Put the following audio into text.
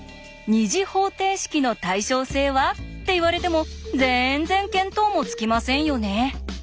「２次方程式の対称性は？」って言われてもぜんぜん見当もつきませんよね。